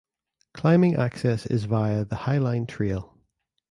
Climbing access is via the Highline Trail.